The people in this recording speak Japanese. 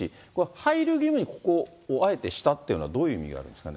配慮義務に、ここをあえてしたっていうのはどういう意味があるんですかね。